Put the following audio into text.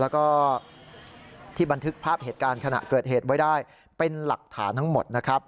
แล้วก็ที่บันทึกภาพเหตุการณ์ขณะเกิดเหตุไว้ได้เป็นหลักฐานทั้งหมดนะครับ